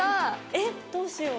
えっどうしよう。